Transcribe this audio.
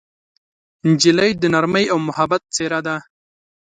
نجلۍ د نرمۍ او محبت څېره ده.